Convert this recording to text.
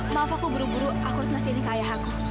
maaf aku buru buru aku harus nasih ini ke ayah aku